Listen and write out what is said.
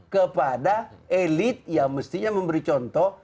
kepada elit yang mestinya memberi contoh